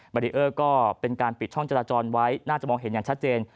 บารีเออร์ก็เป็นการปิดช่องจราจรไว้น่าจะมองเห็นอย่างชัดเจน